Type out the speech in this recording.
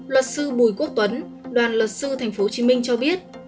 luật sư bùi quốc tuấn đoàn luật sư tp hcm cho biết